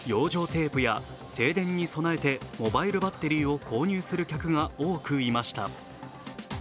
テープや停電に備えてモバイルバッテリーを購入する客が多くいました。